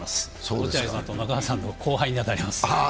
落合さんと中畑さん、後輩に当たります。